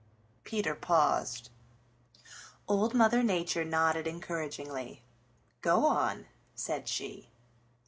Peter paused. Old Mother Nature nodded encouragingly. "Go on," said she.